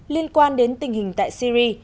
liên quan đến tình hình tại syri